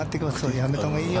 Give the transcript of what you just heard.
やめたほうがいいよ。